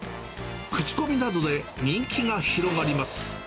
口コミなどで人気が広がります。